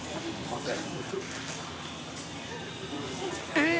えっ？